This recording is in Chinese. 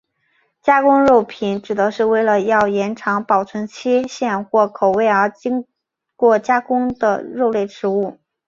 加工肉品指的是为了要延长保存期限或口味而经过加工的肉类食物。